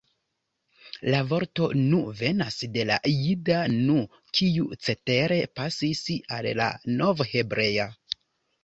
La vorto nu venas de la jida nu, kiu cetere pasis al la novhebrea.